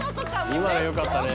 今のよかったね。